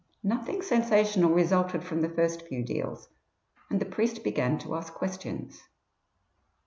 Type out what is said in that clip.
Nothing sensational resulted from the first few deals, and the priest began to ask questions.